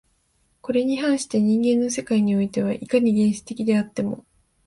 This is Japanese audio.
これに反して人間の世界においては、いかに原始的であっても